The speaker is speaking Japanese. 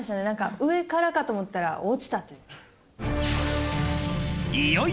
なんか、上からかと思ったら、落ちたという。